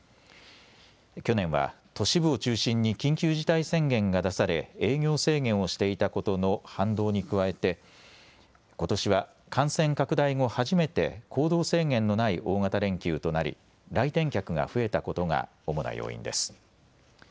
去年は都市部を中心に緊急事態宣言が出され営業制限をしていたことの反動に加えてことしは感染拡大後、初めて行動制限のない大型連休となり来店客が増えたことが主な要因です。